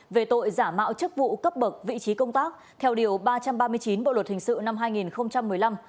về tội giả mạo chức vụ cấp bậc vị trí công tác theo điều ba trăm ba mươi chín bộ luật hình sự năm hai nghìn một mươi năm